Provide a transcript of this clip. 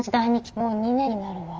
もう２年になるわ。